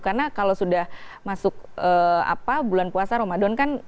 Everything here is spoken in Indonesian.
karena kalau sudah masuk bulan puasa ramadan kan